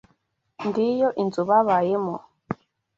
Ngiyo inzu babayemo.